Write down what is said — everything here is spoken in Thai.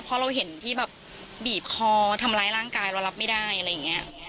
พอเราเห็นที่แบบบีบคอทำร้ายร่างกายเรารับไม่ได้อะไรอย่างนี้